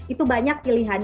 itu banyak pilihan